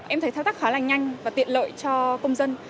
em thấy thao tác khá là nhanh và tiện lợi cho công dân